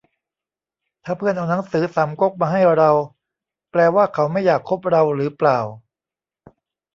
ถ้าเพื่อนเอาหนังสือสามก๊กมาให้เรา แปลว่าเขาไม่อยากคบเราหรือเปล่า